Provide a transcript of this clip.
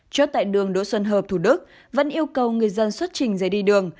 chốt tại đường đỗ xuân hợp thủ đức vẫn yêu cầu người dân xuất trình giấy đi đường